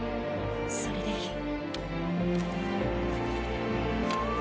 それでいい。